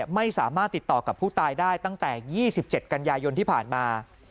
ไม่สามารถติดต่อกับผู้ตายได้ตั้งแต่๒๗กันยายนที่ผ่านมา